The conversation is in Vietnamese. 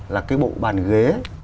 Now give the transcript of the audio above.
là cái bộ bàn ghế